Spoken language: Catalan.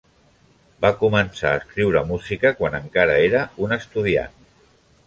Va començar a escriure música quan encara era un estudiant.